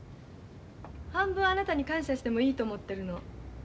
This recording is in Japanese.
半分あなたに感謝してもいいと思ってるの。